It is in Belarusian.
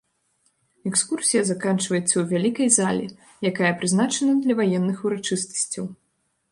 Экскурсія заканчваецца ў вялікай зале, якая прызначана для ваенных урачыстасцяў.